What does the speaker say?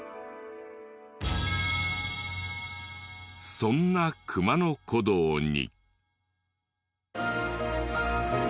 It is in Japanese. そんな熊野古道に。